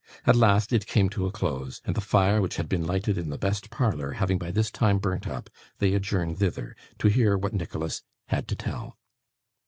At last, it came to a close; and the fire which had been lighted in the best parlour having by this time burnt up, they adjourned thither, to hear what Nicholas had to tell.